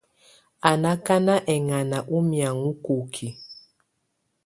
Á ná ákána ɛŋana ú miaŋɔ kokiǝ.